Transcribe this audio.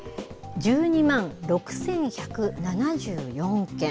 １２万６１７４件。